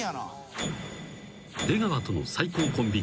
［出川との最高コンビ芸］